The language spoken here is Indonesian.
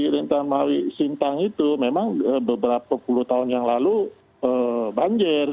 rencana maui sintang itu memang beberapa puluh tahun yang lalu banjir